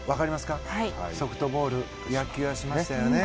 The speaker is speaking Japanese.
ソフトボールがありましたよね。